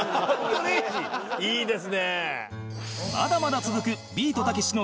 いいですね。